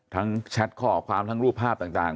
ทั้งแชตข้ออความรูปภาพต่าง